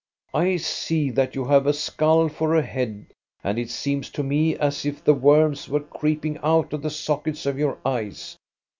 " I see that you have a skull for a head, and it seems to me as if the worms were creeping out of the sockets of your eyes.